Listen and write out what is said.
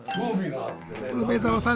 梅沢さん